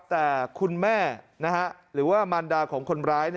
แต่คุณแม่หรือว่ามารดาของคนร้าย